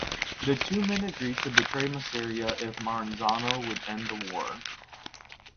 The two men agreed to betray Masseria if Maranzano would end the war.